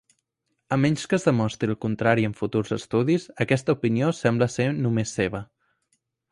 A menys que es demostri el contrari en futurs estudis, aquesta opinió sembla ser només seva.